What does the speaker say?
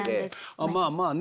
まあまあね